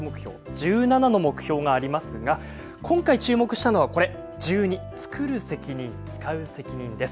１７の目標がありますが今回注目したのは「つくる責任つかう責任」です。